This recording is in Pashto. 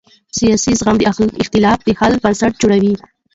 سیاسي زغم د اختلاف د حل بنسټ جوړوي